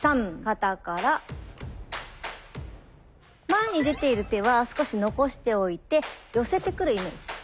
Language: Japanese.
前に出ている手は少し残しておいて寄せてくるイメージ。